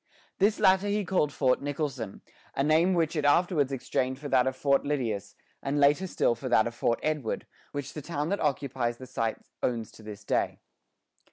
This latter he called Fort Nicholson, a name which it afterwards exchanged for that of Fort Lydius, and later still for that of Fort Edward, which the town that occupies the site owns to this day.